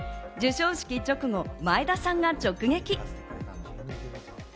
授賞式直後、前田さんが直撃。